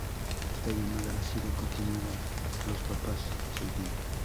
Esta llamada ha sido continuada por los papas siguientes.